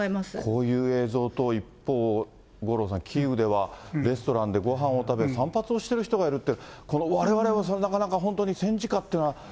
こういう映像と、一方、五郎さん、キーウではレストランでごはんを食べ、散髪をしてる人がいるって、われわれ、なかなかほんとに、戦時下っていうのは。